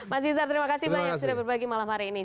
mas izar terima kasih banyak sudah berbagi malam hari ini